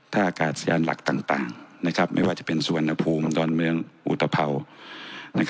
ท่าอากาศยานหลักต่างไม่ว่าจะเป็นสุวรรณภูมิดอนเมืองอุตพราว